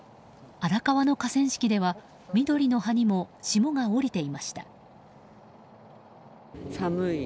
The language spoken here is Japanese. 荒川の河川敷では緑の葉にも霜が降りていました。